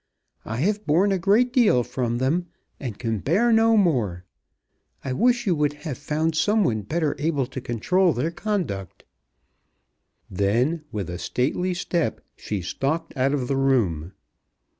I have borne a great deal from them, and can bear no more. I wish you would have found some one better able to control their conduct." Then, with a stately step, she stalked out of the room.